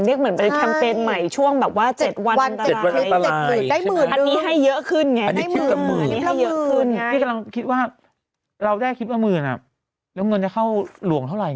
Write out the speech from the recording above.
เรียกเหมือนเป็นแคมเปญใหม่ช่วงแบบว่า๗วันอันตราย